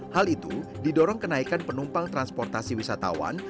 hal itu didorong kenaikan penumpang transportasi wisatawan